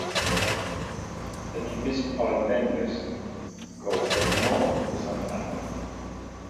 Tenir més pelendengues que el sermó de Santa Anna.